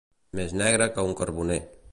Més negre que un carboner.